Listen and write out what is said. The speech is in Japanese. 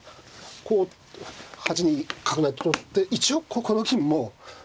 こう８二角成と取って一応この銀も落ちてるんで。